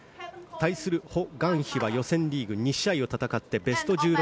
対するホ・グァンヒは予選リーグ２試合を戦ってベスト１６。